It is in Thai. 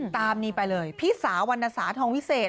ตามนี้ไปเลยพี่สาววรรณสาทองวิเศษ